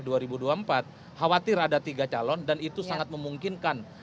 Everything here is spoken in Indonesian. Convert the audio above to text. khawatir ada tiga calon dan itu sangat memungkinkan